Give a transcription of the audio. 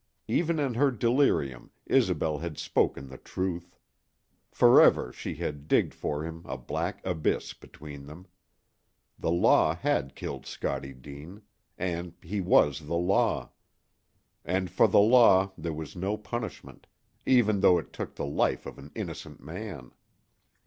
Even in her delirium Isobel had spoken the truth. Forever she had digged for him a black abyss between them. The Law had killed Scottie Deane. And he was the Law. And for the Law there was no punishment, even though it took the life of an innocent man.